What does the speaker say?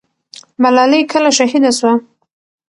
ملالۍ کله شهیده سوه؟